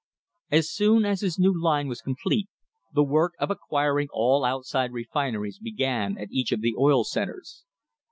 As soon as his new line was complete the work of acquiring all outside refineries began at each of the oil centres.